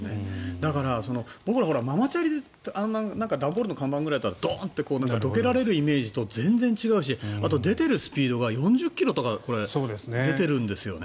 だから、僕らはママチャリで段ボールの看板ぐらいだったらドーンってどけられるイメージと全然違うし出ているスピードが４０ｋｍとか出てるんですよね。